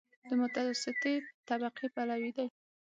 د متوسطې طبقې پلوی دی.